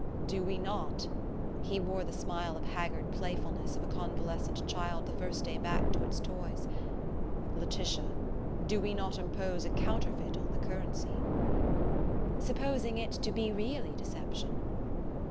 Do we not," he wore the smile of haggard playfulness of a convalescent child the first day back to its toys, "Laetitia, do we not impose a counterfeit on the currency?" "Supposing it to be really deception."